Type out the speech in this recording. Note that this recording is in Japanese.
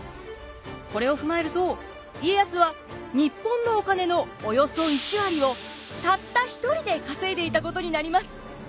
これを踏まえると家康は日本のお金のおよそ１割をたった１人で稼いでいたことになります。